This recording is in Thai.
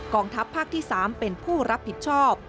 กองทัพภักดิ์ที่๓เป็นผู้รับผิดชอบ